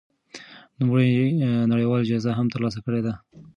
نوموړي نړيوالې جايزې هم ترلاسه کړې دي.